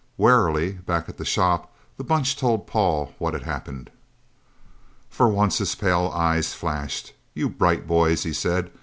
Warily, back at the shop, the Bunch told Paul what had happened. For once his pale eyes flashed. "You Bright Boys," he said.